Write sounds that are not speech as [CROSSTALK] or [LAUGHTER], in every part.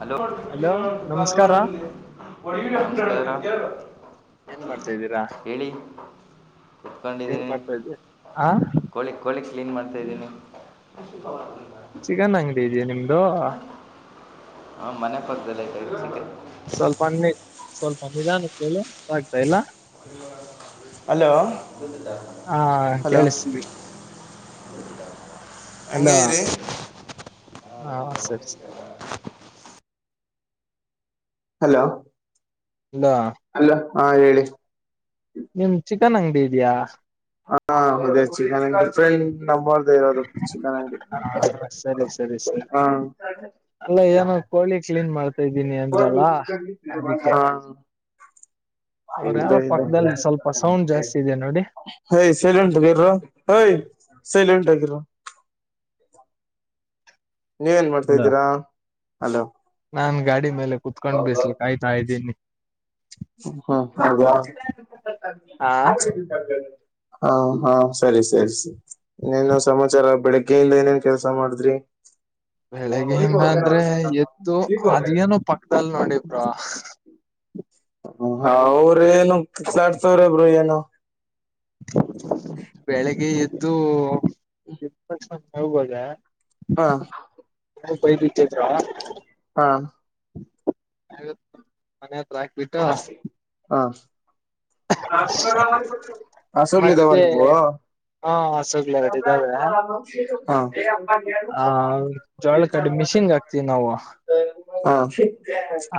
Hello hello [UNINTELLIGIBLE] ನಮಸ್ಕಾರ ನಮ್ಸ್ಕಾರ. ಏನ್ ಮಾಡ್ತಾದ್ದೀರಾ ಹಾ ಏನ್ ಮಾಡ್ತಾ ಇದ್ದೆ ಹಾ. ಕೋಳಿ ಕೋಳಿ ಕ್ಲೀನ್ ಮಾಡ್ತಾಯ್ದೀನಿ. ಚಿಕನ್ ಅಂಗಡಿ ಇದ್ಯ ನಿಮ್ದು. ಹಾ ಮನೆ ಪಕ್ದಲ್ ಐತೆ ಚಿಕನ್. ಸ್ವಲ್ಪ ಸ್ವಲ್ಪ ನಿಧಾನಕ್ಕೆ ಹೇಳಿ ಅರ್ಥ ಆಗ್ತಿಲ್ಲ. ಹಲೋ ಹ ಹಲೋ ಕೇಳಿಸ್ತೀವಿ ಅಲೋ ಹಂಗೆ ಇರಿ ಹಾ ಸರಿ ಸರಿ ಹಲೋ ಇಲ್ಲಾ ಅಲ್ಲ ಹಾ ಹೇಳಿ ನಿಮ್ ಚಿಕನ್ ಅಂಗಡಿ ಇದಿಯಾ ಹಾ ಇದೆ ಚಿಕನ್ ಅಂಗಡಿ ಡಿಫರೆಂಟ್ ನಂಬರ್ ಅದೇರದು ಚಿಕನ್ ಅಂಗಡಿ ಸರಿ ಸರಿ ಸರಿ ಹಾ ಅಲ್ಲ ಏನೋ ಕೋಳಿ ಕ್ಲೀನ್ ಮಾಡ್ತಾ ಇದ್ದೀನಿ ಅಂದ್ರಲ್ಲ ಅದಕ್ಕೆ ಹ ಅವ್ರ ಯಾರೋ ಪಕ್ಕದಲ್ಲಿ ಸ್ವಲ್ಪ ಸೌಂಡ್ ಜಾಸ್ತಿ ಇದೆ ನೋಡಿ ಹಯ್ ಸೈಲೆಂಟ್ ಆಗಿರ ಹಯ್ ಸೈಲೆಂಟ್ ಆಗಿರ ನೀವ ಏನು ಮಾಡ್ತಾ ಇದಿದ್ದೀರಾ ಅಲೋ ನಾನ್ ಗಾಡಿ ಮೇಲೆ ಕುೂತ್ಕೊಂಡ್ ಬಿಸ್ಲ ಕಾಯ್ತಾ ಇದ್ದೀನಿ ಹ್ಮ ಹೌದ ಆ ಹಾ ಹಾ ಸರಿ ಸರಿ ಸರಿ ಇನ್ನೇನ್ ಸಮಾಚಾರ ಬೆಳಿಗ್ಗೆಯಿಂದ ಏನೇನ್ ಕೆಲ್ಸ ಮಾಡಿದ್ರಿ ಬೆಳಗ್ಗೆ ಹಿಂದ ಅಂದ್ರೆ ಎದತ್ತು ಅದನೋ ಪಕ್ಕದಲ್ ನೋಡಿಬ್ರ ಅವ್ರ ನು ಸಾಡ್ತವ್ರಬರು ಏನು ಹ್ಮ್ ಬೆಳಿಗ್ಗೆ ಎದ್ದು ಎ ಹೋಗುವಾಗ ಹಾ ಹ ಬಯ ಬಿದ ಹಾ ಮನೆ ಹತ್ರಾಕ್ಬಿಟ್ಟ ಹಾ ಹಸುರ್ಲಿ ದವ ನಿಬು ಹಾಸಗ್ಲ ಎರಡು ಇದಾವ್ರೆ ಹಾ ಆ ಜೋಳ ಕಡ್ ಮಿಷಿನ್ ಆಕ್ತಿವಿ ನಾವು ಹಾ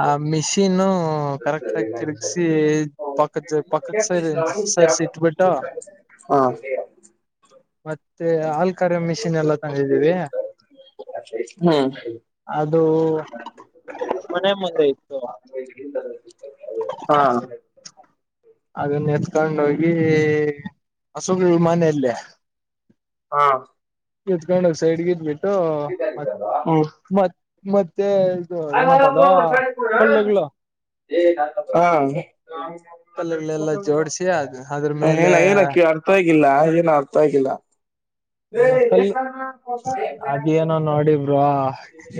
ಆ ಮಿಷಿನು ಹ ಕರೆಕ್ಟ್ ಆಗಿ ತಿರುಗ್ಸಿ ಪಕ್ಕದ ಪಕ್ಕಕ್ ಸರಿ ಸರಿಸಿ ಇಟ್ಬಿಟ್ಟು ಹಾ ಮತ್ತೆ ಆಲ್ಕರೆ ಮಿಷಿನ್ ಎಲ್ಲಾ ತಂದಿದ್ದೀವಿ. ಹ್ಮ ಅದು ಮನೆ ಮದ್ದ ಇತ್ತು ಅಲ್ಲ. ಹಾ ಅದನ್ನ ಎತ್ಕೊಂಡೋಗಿ ಹಸುಗ್ ಮನೆಯಲ್ಲೇ. ಹಾ ಎತ್ಕೊಂಡ ಹೋಗ ಸೈಡ್ಗ ಇದ್ಬಿಟ್ಟು ಮ ಮ ಮತ್ತೆ ಇದು ಹ್ಮ್ ಏನಪ್ಪ ಅದ ಕಲ್ಲುಗಳು ಕಲ್ಲುಗಳೆಲ್ಲ ಜೋಡ್ಸಿ ಅದ್ ಅದ್ರ ಮೇಲೆ ಏನ ಏನ ಅರ್ಥ ಆಗಿಲ್ಲ ಏನು ಅರ್ಥ ಆಗಿಲ್ಲ. ಏ ಎ ಕಲ್ ಸ. ಅದೇನೋ ನೋಡಿ ಬ್ರೋ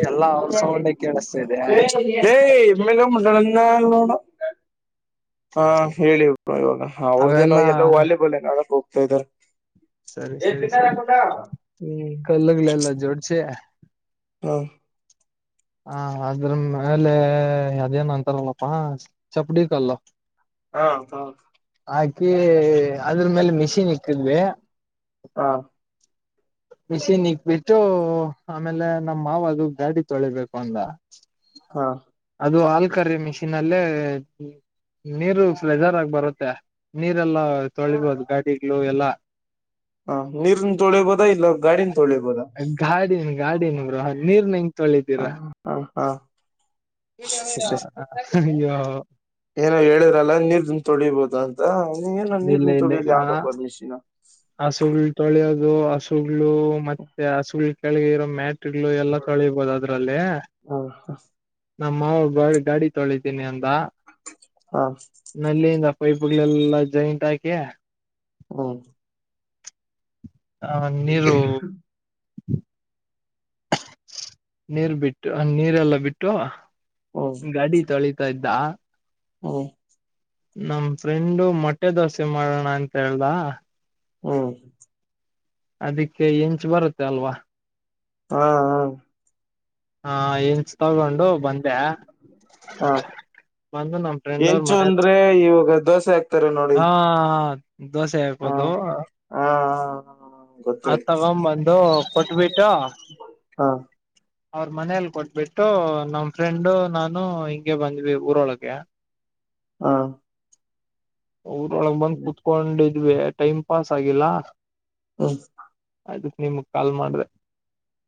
ಎಲ್ಲಾ ಅವ್ರ ಸೌಂಡೆ [INAUDIBLE] ಕೇಳಿಸ್ತಿದೆ ಏ [UNINTELLIGIBLE] ನೋಡ. ಹಾ ಹೇಳಿ ಪಾ ಇವಾಗ ಅವ್ರದ್ದೇನೋ ಅವೆಲ್ಲಾ ಎಲ್ಲೋ ವಾಲಿಬಾಲ್ ಏನೋ ಆಡಕ್ ಹೋಗ್ತಾ ಇದ್ದಾರೆ. ಸರಿ ಸರಿ ಸರಿ ಹ್ಮ್ ಕಲಗ್ಲಲ್ಲಾ ಜೋಡಸಿ. ಹ. ಹ ಅದ್ರ ಮೇಲೆ ಅದೇನ್ ಅಂತಾರಲ್ಲಪ್ಪಾ ಚಪ್ಡಿಕಲ್ಲು. ಹಾ ಅದ. ಹಾಕೀ ಅದ್ರ್ ಮೇಲೆ ಮಿಷನ್ ಇಕ್ಕಿದ್ವಿ. ಹಾ. ಮಿಸಿನ್ ಇಕ್ಬಿಟ್ಟು ಆಮೇಲೆ ನಮ್ ಮಾವ ಅದು ಗಾಡಿ ತೊಳಿಬೇಕು ಅಂದ. ಹಾ. ಅದು ಆಲ್ ಕರಿ ಮಿಷಿನ್ಲ್ಲೇ. ನೀರು ಫ್ಲಜರ್ ಆಗಿ ಬರುತ್ತೆ ನೀರೆಲ್ಲಾ ತೊಳಿಬೋದ್ ಗಾಡಿಗ್ಲೊ ಎಲ್ಲಾ. ಹ ನೀರ್ನ ತೊಳಿಬೋದಾ ಇಲ್ಲ ಗಾಡಿನ ತೊಳಿಬೋದ. ಗಾಡಿನ ಗಾಡಿನ ಬ್ರೋ ನಿರ್ನ ಹೆಂಗ್ ಹ ತೊಳಿತಿರಾ. ಹ ಹಾ [INAUDIBLE] ಅಯ್ಯೋ. ಏನೋ ಹೇಳಿದ್ರಲ್ಲ ನೀರ್ನ್ ತೊಳಿಬಹುದು ಅಂತ ನೀ ಏನ ಇಲ್ಲ ನೀರ್ದನ್ ಇಲ್ಲ ತೊಳ್ಯುದ ಇಲ್ಲ ಯಾವ್ದಪ್ಪ ಮಿಷನ್. ಹಸುಗಳು ತೊಳೆಯೋದು ಹಸುಗಳು ಮತ್ತೆ ಹಸುಗಳು ಕೆಳಗೆ ಇರೋ ಮ್ಯಾಟ್. ಗಳು ಎಲ್ಲ ಸೊಳಿಬೋದು ಅದ್ರಲ್ಲಿ. ಹ್ಮ ನಮ್ಮ ಮಾವ ಬಾರಿ ಗಾಡಿ ತೊಳಿದ್ದೀನಿ ಅಂದ. ಹಾ. ನಲ್ಲಿಯಿಂದ ಪೈಪ್ಗಳೆಲ್ಲಾ ಜಾಯಿಂಟ್ ಹಾಕಿ. ಹ್ಮ್. ಹ ನೀರು. ನೀರ್ ಬಿಟ್ಟು ನೀರೆಲ್ಲಾ ಬಿಟ್ಟು. ಹ್ಮ. ಗಾಡಿ ತೊಳೀತಾ ಇದ್ದ. ಹ್ಮ. ನಮ್ ಫ್ರೆಂಡು ಮೊಟ್ಟೆ ದೋಸೆ ಮಾಡೋಣ ಅಂತ ಹೇಳ್ದಾ. ಹ್ಮ್. ಅದಿಕ್ಕೆ ಹೆಂಚ್ ಬರುತ್ತೆ ಅಲ್ವಾ. ಹಾ. ಹಾ ಹೆಂಚ್ ತಗೊಂಡು ಬಂದೆ. ಹಾ. ಬಂದು ನಮ್ ಫ್ರೆಂಡ್ ಅವ್ರ ಹೆಂಚು ಮನೆ ಅಂದ್ರೆ ಇವಾಗ ದೋಸೆ ಹಾಕ್ತಾರ ನೋಡಿ. ಹಾ ದೋಸೆ ಹಾಕೋದು. ಹಾ ಹಾ. ಅದ ತಗೊ ಬಂದು ಕೊಟ್ಬಿಟ್ಟು. ಹಾ. [INAUDIBLE] ಅವ್ರ ಮನೇಲಿ ಕೊಟ್ಬಿಟ್ಟು ನಮ್ಮ ಫ್ರೆಂಡು ನಾನು ಹಿಂಗೆ ಬಂದ್ವಿ ಊರೊಳಗೆ. [INAUDIBLE] ಹಾ. ಊರೊಳಗ್ ಬಂದ್ ಕುತ್ಕೊಂಡಿದ್ವಿ ಟೈಮ್ ಪಾಸ್ ಆಗಿಲ್ಲ. ಹ್ಮ. ಅದಕ್ಕ್ ನಿಮಗ ಕಾಲ್ ಮಾಡ್ದೆ.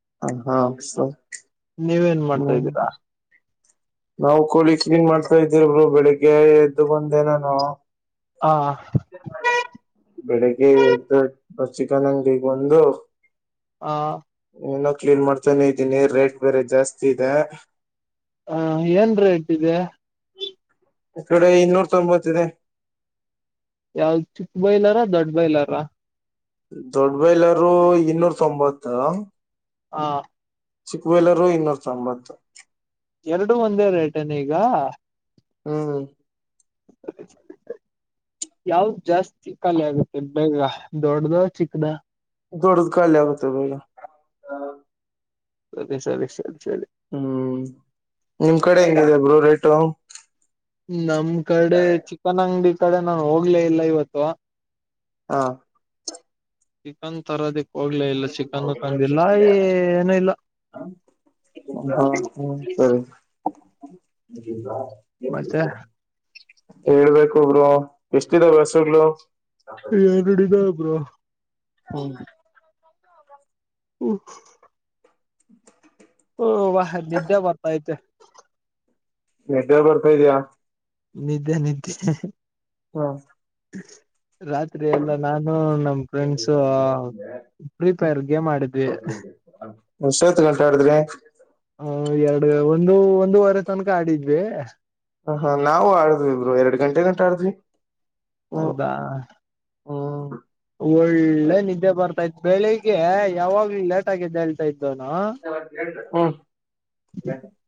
ಹ್ಮ್ ಹಾ ನೀವೇನ್ ಮಾಡ್ತಾ ಹ್ಮ್ ಇದೀರಾ. ನಾವು ಕೋಳಿ ಕ್ಲೀನ್ ಮಾಡ್ತಾ ಇದ್ದೀವಿ ಬ್ರೋ ಬೆಳಿಗ್ಗೆ ಎದ್ದು ಬಂದೇ ನಾನು. ಹಾ. ಬೆಳಿಗ್ಗೆ ಎದ್ದು ಚಿಕನ್ ಅಂಗಡಿಗೆ ಬಂದು. ಹ. ಇನ್ನು ಕ್ಲೀನ್ ಮಾಡ್ತಾನೆ ಇದ್ದೀನಿ ರೇಟ್ ಬೇರೆ ಜಾಸ್ತಿ ಇದೆ. ಹ ಏನ ರೇಟ್ ಇದೆ. ಈ ಕಡೆ ಇನ್ನೂರ ತೊಂಬತ್ತ ಇದೆ. ಯಾವ್ದ್ ಚಿಕ್ಕ ಬೈಲಾರ ದೊಡ್ಡ ಬೈಲಾರ. ದೊಡ್ಬೈಲರು ಇನ್ನೂರ ತೊಂಬತ್ತ. ಹಾ. ಚಿಕ್ಕಬೈಲರು ಇನ್ನೂರ ತೊಂಬತ್ತು. ಎರಡು ಒಂದೇ ರೇಟೇನ ಈಗ. ಹ್ಮ್. [INAUDIBLE] ಯಾವ್ದ ಜಾಸ್ತಿ ಖಾಲಿ ಆಗುತ್ತೆ ಬೇಗ ದೊಡ್ಡದ ಚಿಕ್ಕದ. ದೊಡ್ಡದು ಖಾಲಿ ಆಗುತ್ತೆ ಬೇಗಾ. ಸರಿ ಸರಿ ಸರಿ ಸರಿ. ಹ್ಮ್ ನಿಮ್ ಕಡೆ ಏನಿದೆ ಬ್ರೋ ರೇಟು. ನಮ್ ಕಡೆ ಚಿಕ್ಕನ ಅಂಗಡಿ ಕಡೆ ನಾ ಹೋಗ್ಲೇ ಇಲ್ಲ ಇವತ್ತು. ಹಾ. ಚಿಕನ್ ತರೋದಿಕ್ ಹೋಗ್ಲೇ ಇಲ್ಲ ಚಿಕನ್ ತಂದಿಲ್ಲ ಏನು ಇಲ್ಲ. ಹಾ ಹ್ಮ್ ಸರಿ. [INAUDIBLE] ಮತ್ತೆ. ಹೇಳ್ಬೇಕು ಬ್ರೋ ಎಷ್ಟಿದೆ ಬಸ್ಸುಗಳು. ಏನ್ ಬ್ರೋ ಹ್ಮ್. ಹ್ಮ್. [INAUDIBLE] ಹಓ ವಾಹ ನಿದ್ದೆ ಬರ್ತೈಐತೆ. ನಿದ್ದೆ ಬರ್ತಾ ಇದ್ಯಾ. ನಿದ್ದೆ ನಿದ್ದೆ. ಹ. ರಾತ್ರಿ ಎಲ್ಲ ನಾನು ನಮ ಫ್ರೆಂಡ್ಸು. ಫ್ರೀ ಫೈರ್ ಗೇಮ್ ಆಡಿದ್ವಿ. ಎಷ್ಟ್ ಹೊತ್ತ್ ಗಂಟೆ ಆಡಿದ್ರಿ. ಹ ಎರಡು ಒಂದು ಒಂದುವರೆ ತನಕ ಆಡಿದ್ವಿ. ಹ ಹಾ ನಾವು ಆಡದ್ವಿ ಇಬ್ರು ಎರಡ್ ಗಂಟೆ ಗಟ ಆಡದ್ವಿ ಹೌದಾ. ಹ್ಮ್ ಒಳ್ಳೆ ನಿದ್ದೆ ಬರ್ತಾ ಇತ್ತ ಬೆಳಿಗ್ಗೆ ಯಾವಾಗ್ಲ ಲೇಟ್ ಆಗಿ ಎದೆಳ್ತಾ ಇದ್ದುನು. [INAUDIBLE] ಹ್ಮ್.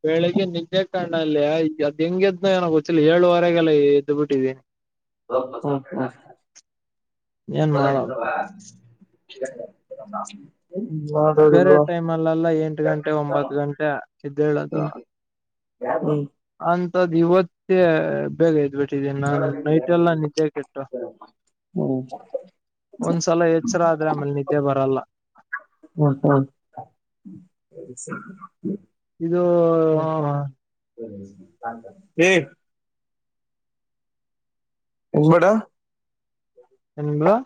ಬೆಳಿಗ್ಗೆ ನಿದ್ದೆ ಕಣ್ಣಲ್ಲಿ ಎದ್ದ್ ಹೆಂಗ ಎದ್ನೋ ಏನೋ ಗೊತ್ತಲಿ ಏಳುವರೆಗೆಲ್ಲ ಎದ್ ಬಿಟ್ಟಿದೀನಿ. ಹ್ಮ್ ಏನ್ ಹ್ಮ್. ಮಾಡೋದು [INAUDIBLE] [INAUDIBLE] [UNINTELLIGIBLE] ಬೇರೆ ಟೈಮ್ ಅಲ್ಲೆಲ್ಲ ಎಂಟು ಗಂಟೆ ಒಂಬತ್ತು ಗಂಟೆ ಇದ್ದೇಳೋದು ಯ [UNINTELLIGIBLE] ಅಂತದ್ ಇವತ್ತೆ ಬೇಗ [UNINTELLIGIBLE] ನಾನ್ ನೈಟ್ ಎಲ್ಲ ನಿದ್ದೆ ಕೆಟ್ಟ ಒಂದ್ಸಲ ಎಚ್ಚರ ಆದ್ರೆ ಆಮೇಲೆ ನಿದ್ದೆ ಬರಲ್ಲ ಹ್ಮ ಹಾ [UNINTELLIGIBLE] ಇದು ಹ [UNINTELLIGIBLE] ಹೇ ಹನ್್ಬೇಡ [UNINTELLIGIBLE] ಸ ನಿಂಗ [UNINTELLIGIBLE]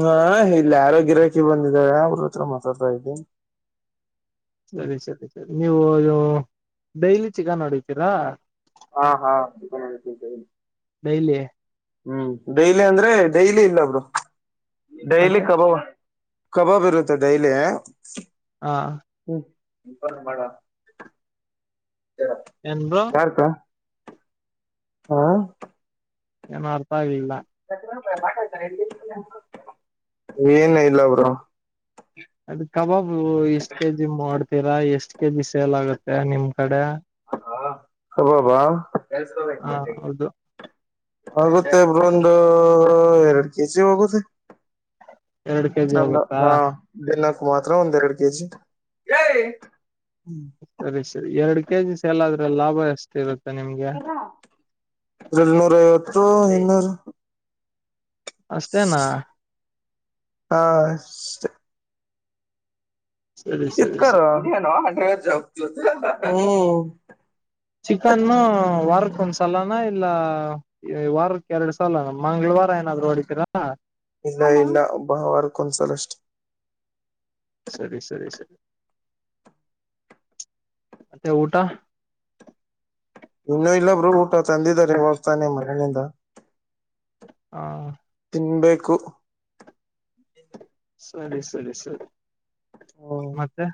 ಹಾ ಇಲ್ಲಿ ಗಿರಾಕಿ ಬಂದಿದ್ದಾರೆ ಅವ್ರ ಹತ್ರ ಮಾತಾಡ್ತಾ ಇದ್ದೇ ಸರಿ ಸರಿ ಸರಿ ನೀವು ಡೈಲಿ ಚಿಕನ್ ಹೊಡಿತೀರಾ ಹಾ ಹಾ ಡೈಲಿ ಹ್ಮ್ ಡೈಲಿ ಅಂದ್ರೆ ಡೈಲಿ ಇಲ್ಲ ಬ್ರೋ ಡೈಲಿ ಮತ್ತೆ ಕಬಬ ಕಬಾಬ್ ಇರುತ್ತೇ ಡೈಲಿ ಹಾ ಹ್ಮ್ ಮಾಡ ಯಾರ್ ಕ [UNINTELLIGIBLE] ಏನ್ ಬ್ರೋ ಪಾರ್ಕ ಹಾ ಏನು ಅರ್ಥ ಆಗ್ಲಿಲ್ಲ [UNINTELLIGIBLE] ಏನು ಇಲ್ಲ ಬ್ರೋ ಅದು ಕಬಾಬು ಎಷ್ಟ್ ಕೆ ಜಿ ಮಾಡ್ತೀರಾ ಎಷ್ಟ್ ಕೆ ಜಿ ಸೇಲ್ ಆಗುತ್ತೆ ನಿಮ್ ಕಡೆ ಹಾ. ಕಬಾಬ ಹ ಹೌದು [UNINTELLIGIBLE] ಆಗುತ್ತೆ ಬ್ರೊ ಒಂದು ಎರಡು ಕೆಜಿ ಹೋಗುತ್ತೆ ಎರಡ್ ಕೆಜಿ ಚಲ್ಲ ಹೋಗುತ್ತಾ ಹಾ ಬೆಲ್ಲಕ ಮಾತ್ರ ಒಂದ ಎರಡು ಕೆಜಿ ಸರಿ ಸರಿ ಎರಡು ಕೆಜಿ ಸೇಲ್ ಆದ್ರೆ ಲಾಭ ಎಷ್ಟು ಇರುತ್ತೆ ನಿಮ್ಗೆ ಎರಳ್ನೂರ ಐವತ್ತು ಇನ್ನೂರು ಅಷ್ಟೇನಾ ಹಾ ಸರಿ ಸರಿ ಇತ್ಕ ಸರಿ ಆಟ ಜ ಹ್ಮ್ [UNINTELLIGIBLE] ಚಿಕನ್ನು ವಾರಕ್ಕೆ ಒಂದ್ ಸಲಾನ ಇಲ್ಲ ಈ ವಾರಕ್ಕೆ ಎರಡ್ ಸಲ ಮಂಗಳವಾರ ಏನಾದ್ರು ಹೊಡಿತೀರಾ ಇಲ್ಲ ಇಲ್ಲ ವಾರಕ್ಕೊಂದ್ಸಲ ಸರಿ ಸರಿ ಸರಿ ಮತ್ತೆ ಊಟ ಇನ್ನು ಇಲ್ಲ ಬ್ರೋ ಊಟ ತಂದಿದ್ದಾರೆ ಇವಾಗ್ ತಾನೇ ಮನೆಯಿಂದ ಹಾ ತಿನ್ಬೇಕು ಸರಿ ಸರಿ ಸರಿ ಹ್ಮ್ ಮತ್ತೆ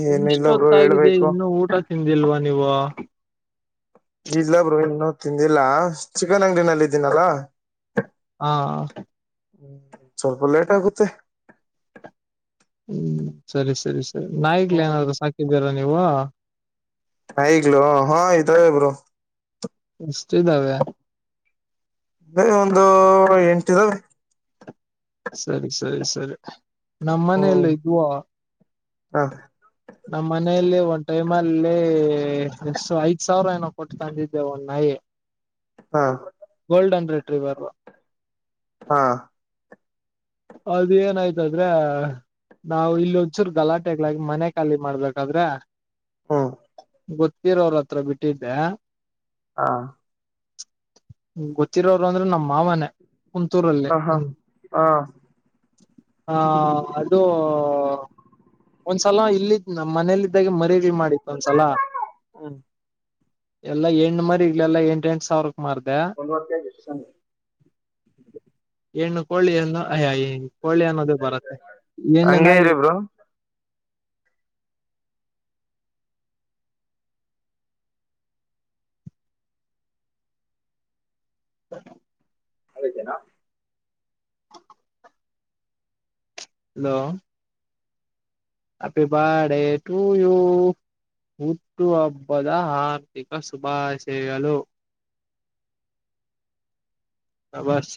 ಹ್ಮ ಇಷ್ಟೊತ್ತಾಗಿದೆ ಇನ್ನು ಊಟ ತಿಂದಿಲ್ವಾ ನೀವು ಇಲ್ಲ ಬ್ರೋ ಇನ್ನೂ ತಿಂದಿಲ್ಲಾ ಚಿಕನ್ ಅಂಗಡಿನಲ್ಲಿ ಇದ್ದೀನಲ್ಲ ಹಾ ಹ್ಮ್ ಸ್ವಲ್ಪ ಲೇಟ್ ಆಗುತ್ತೆ ಹ್ಮ್ ಸರಿ ಸರಿ ಸರಿ ನಾಯಿಗಳು ಹ್ಮ್ ಏನನ್ನ ಸಾಕಿದ್ದೀರಾ ನೀವು ನಾಯಿಗಳು ಹಾ ಇದಾವೆ ಬ್ರೋ. ಎಷ್ಟ ಇದ್ದಾವೆ. ಬರಿ ಒಂದು ಎಂಟ ಇದಾವೆ. ಸರಿ ಸರಿ ಸರಿ ನಮ್ಮನೆ ಹ್ಮ್ ಅಲ್ಲಿ ಇದು. ಹ ನಮ್ಮ ಮನೆಯಲ್ಲಿ ಒಂದ್ ಟೈಮ್ ಅಲ್ಲಿ ಎಷ್ಟು ಐದ್ ಸಾವಿರ ಏನೋ ಕೊಟ್ಟು ತಂದಿದ್ದೆ ಒಂದ್ ನಾಯಿ. ಹಾ. Golden retriever. ಹಾ. ಅದ ಏನಾಯ್ತಾದ್ರೆ. ನಾವು ಇಲ್ಲಿ ಒಂದ್ಚೂರು ಗಲಾಟೆಗ್ಗಳಾಗಿ ಮನೆ ಖಾಲಿ ಮಾಡ್ಬೇಕಾದ್ರೆ. ಹ್ಮ್ ಗೊತ್ತಿರೋ ಅವ್ರ ಹತ್ರ ಬಿಟ್ಟಿದ್ದೆ. ಹಾ. ಗೊತ್ತಿರೋರು ಅಂದ್ರೆ ನಮ್ಮ್ ಮಾವಾನೆ. ಹ ಹಾ ಹಾ. ಹ ಅದು. ಒಂದ್ಸಲ ಇಲ್ಲ ನಮ ಮನೇಲ್ಲಿದ್ದಾಗೆ ಮರಿಗಳ ಮಾಡಿತ್ತು ಒಂದ್ಸಲ. ಹ್ಮ. ಎಲ್ಲಾ ಹೆಣ್ಣ ಮರಿಗಳೆಲ್ಲ ಎಂಟ ಎಂಟ ಸಾವಿರಕ್ ಮಾರಿದೆ. ಹೆಣ್ಣು ಕೊಳ್ಳಿನ್ನು ಅಯ. ಕೋಳ್ಳೆ ಅನ್ನೋದು ಬರತ್ತೆ ಹೆಣ್ಣ್ ಹಂಗಗೆ ನಾಯಿ. ಇರಿ ಬ್ರೋ [INAUDIBLE] ಅದೇ ಜನಾ. Hello. Happy birthday to you. ಹುಟ್ಟುಹಬ್ಬದ ಆರ್ಥಿಕ ಶುಭಾಶಯಗಳು. ಹ ಬಸ್